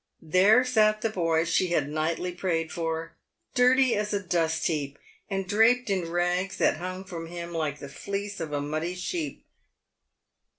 There sat the boy she had nightly prayed for, dirty as a dust heap, and draped in rags that hung from him like the fleece of a muddy sheep.